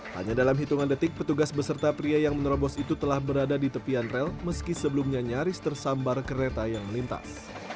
hanya dalam hitungan detik petugas beserta pria yang menerobos itu telah berada di tepian rel meski sebelumnya nyaris tersambar kereta yang melintas